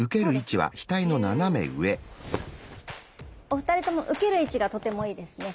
お二人とも受ける位置がとてもいいですね。